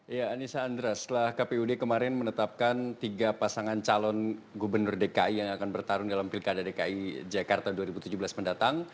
ya anissa andra setelah kpud kemarin menetapkan tiga pasangan calon gubernur dki yang akan bertarung dalam pilkada dki jakarta dua ribu tujuh belas mendatang